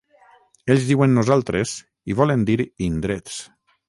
Ells diuen nosaltres i volen dir indrets.